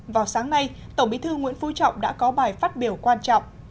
vào sáng nay tổng bí thư nguyễn phú trọng đã có bài phát biểu quan trọng